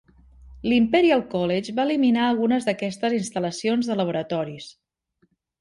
L'Imperial College va eliminar algunes d'aquestes instal·lacions de laboratoris.